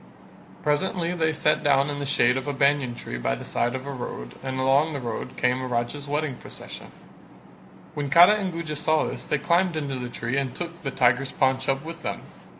Presently they sat down in the shade of a banyan tree by the side of a road and along the road came a Raja's wedding procession; when Kara and Guja saw this they climbed into the tree and took the tiger's paunch up with them.